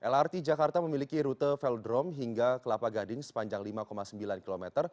lrt jakarta memiliki rute velodrome hingga kelapa gading sepanjang lima sembilan km